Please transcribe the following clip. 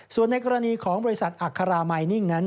ส่วนในกรณีของบริษัทอัครามายนิ่งนั้น